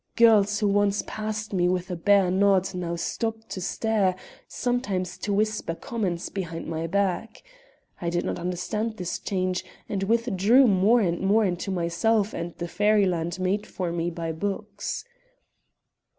Girls who once passed me with a bare nod now stopped to stare, sometimes to whisper comments behind my back. I did not understand this change, and withdrew more and more into myself and the fairy land made for me by books.